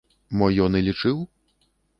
Мо ён і лічыў?